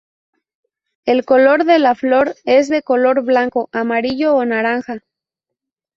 El color de la flor es de color blanco, amarillo o naranja.